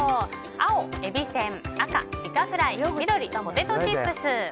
青、えびせん赤、イカフライ緑、ポテトチップス。